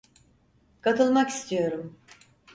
Katılmak istiyorum.